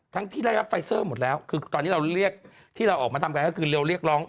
ทั้งที่ได้รับไฟสเซอร์หมดแล้วคือการที่เราเรียก